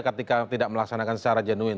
ketika tidak melaksanakan secara genuin